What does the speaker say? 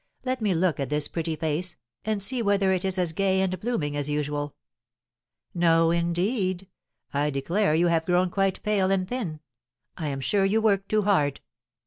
Let me look at this pretty face, and see whether it is as gay and blooming as usual. No, indeed. I declare you have grown quite pale and thin; I am sure you work too hard."